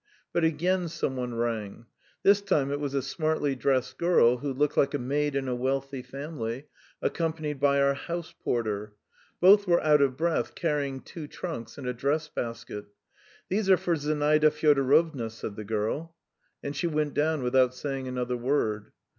But again some one rang. This time it was a smartly dressed girl, who looked like a maid in a wealthy family, accompanied by our house porter. Both were out of breath, carrying two trunks and a dress basket. "These are for Zinaida Fyodorovna," said the girl. And she went down without saying another word.